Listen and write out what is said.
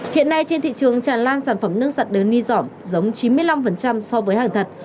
hiện nay trên thị trường tràn lan sản phẩm nước giặt đều ni giỏm giống chín mươi năm so với hàng thật